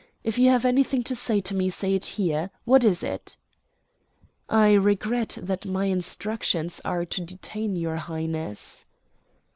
"If you have anything to say to me, say it here. What is it?" "I regret that my instructions are to detain your Highness."